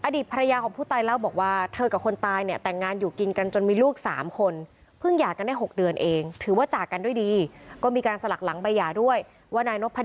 อดีตภรรยาของผู้ตายเล่าบอกว่าเธอกับคนตายแต่งงานอยู่กินกันจนมีลูกสามคน